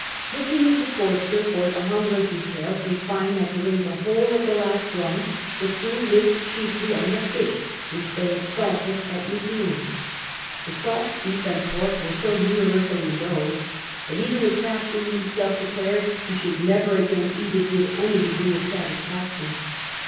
Looking into Forster for the humbler details, we find that during the wiiole of the last run the crew lived chiefly on the fish which they had salted at Xew Zealand. The salt beef and pork were so universally loathed, that even the captain himself declared he should never again eat it with any degree of satisfaction.